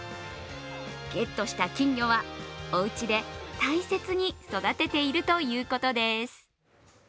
ゲットした金魚はおうちで大切に育てているということです。